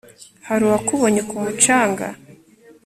Hari uwakubonye ku mucanga